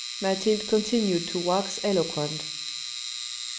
(Mathilde continued to wax eloquent).